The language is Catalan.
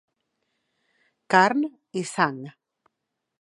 Carn i sang.